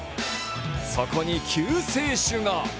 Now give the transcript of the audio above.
そこに救世主が。